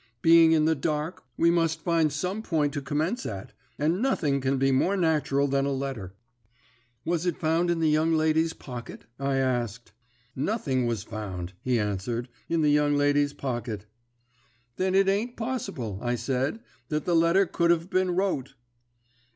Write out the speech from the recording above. Being in the dark, we must find some point to commence at, and nothing can be more natural than a letter.' "'Was it found in the young lady's pocket?' I asked. "'Nothing was found,' he answered, 'in the young lady's pocket.' "'Then it ain't possible,' I said, 'that the letter could have been wrote.'